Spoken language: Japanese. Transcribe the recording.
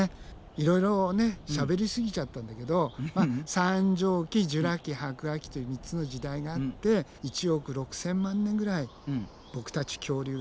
いろいろしゃべりすぎちゃったんだけど三畳紀ジュラ紀白亜紀という３つの時代があって１億６，０００万年ぐらいボクたち恐竜がね